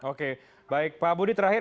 oke baik pak budi terakhir